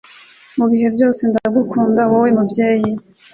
Mubihe byose wowe ndagukunda mubyeyi